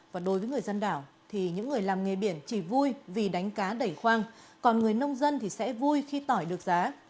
và đối với người dân đảo thì những người làm nghề biển chỉ vui vì đánh cá đẩy khoang còn người nông dân thì sẽ vui khi tỏi được giá